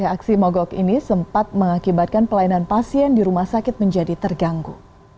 aksi mogok ini sempat mengakibatkan pelayanan pasien di rumah sakit menjadi terganggu